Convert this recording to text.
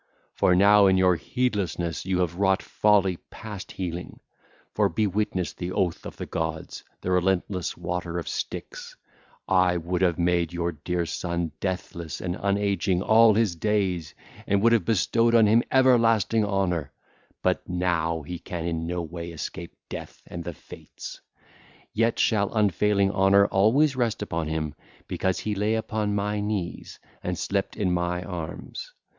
For now in your heedlessness you have wrought folly past healing; for—be witness the oath of the gods, the relentless water of Styx—I would have made your dear son deathless and unageing all his days and would have bestowed on him everlasting honour, but now he can in no way escape death and the fates. Yet shall unfailing honour always rest upon him, because he lay upon my knees and slept in my arms.